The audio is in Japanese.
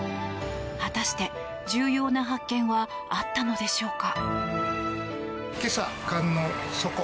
果たして、重要な発見はあったのでしょうか？